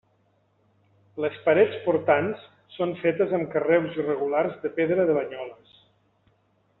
Les parets portants són fetes amb carreus irregulars de pedra de Banyoles.